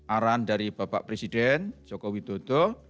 arahan dari bapak presiden joko widodo